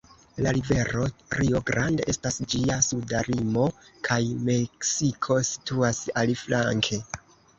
La rivero Rio Grande estas ĝia suda limo, kaj Meksiko situas aliflanke.